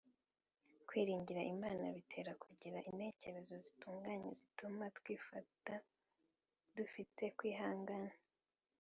kwiringira imana bitera kugira intekerezo zitunganye zituma twifata dufite kwihangana